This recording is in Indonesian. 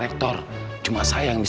dengan orang wahing nih kayak ginitur